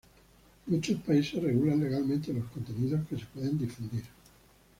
Muchos países regulan legalmente los contenidos que se pueden difundir.